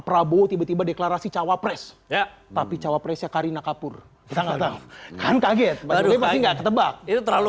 prabowo tiba tiba deklarasi cawapres tapi cawapresnya karina kapur sangat kaget itu terlalu